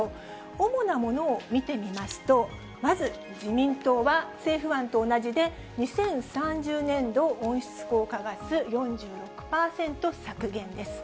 主なものを見てみますと、まず自民党は、政府案と同じで、２０３０年度温室効果ガス４６％削減です。